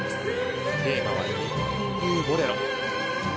テーマは「日本流ボレロ」。